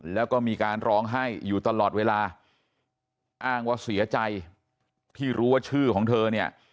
แล้วก็มีการร้องไห้อยู่ตลอดเวลาอ้างว่าเสียใจที่รู้ว่าชื่อของเธอเนี่ย